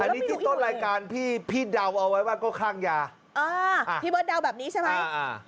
อันนี้ที่ต้นรายการพี่พี่เดาเอาไว้ว่าก็คลั่งยาพี่เบิร์ดเดาแบบนี้ใช่ไหม